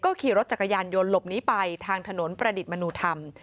ขี่รถจักรยานยนต์หลบหนีไปทางถนนประดิษฐ์มนุธรรม